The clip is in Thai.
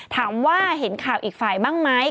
ถามว่าเห็นข่าวอีกฝ่ายบ้างไหม